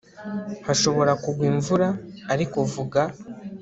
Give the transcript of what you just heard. hashobora kugwa imvura - ariko vuga